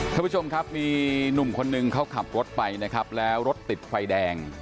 ท่านผู้ชมครับมีหนุ่มคนนึงเขาขับรถไปนะครับแล้วรถติดไฟแดง